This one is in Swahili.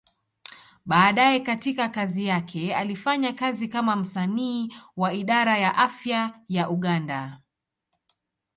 Baadaye katika kazi yake, alifanya kazi kama msanii wa Idara ya Afya ya Uganda.